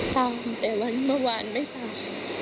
ตามแต่วันเมื่อวานไม่ตาม